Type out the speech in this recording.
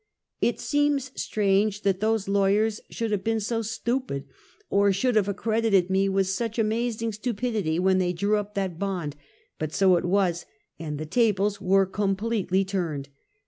It seems strange that those lawyers should have been so stupid, or should have accredited me with such amazing stupidity when they drew up that bond; but so it was, and the tables were completely turned.